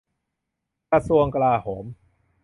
กระทรวงกลาโหม